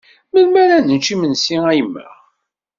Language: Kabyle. Melmi ara nečč imensi a yemma?